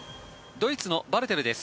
ドイツのバルテルです。